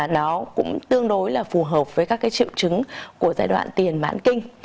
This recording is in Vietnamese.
nó cũng tương đối là phù hợp với các triệu chứng của giai đoạn tiền mạng kinh